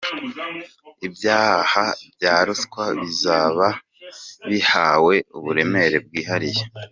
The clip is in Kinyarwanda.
Ibyaha bya ruswa bizaba bihawe uburemere bwihariye.